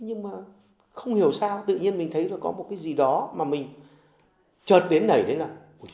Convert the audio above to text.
nhưng mà không hiểu sao tự nhiên mình thấy là có một cái gì đó mà mình trợt đến đẩy đấy là